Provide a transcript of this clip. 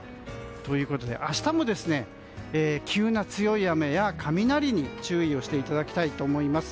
ということで明日も急な強い雨や雷に注意をしていただきたいと思います。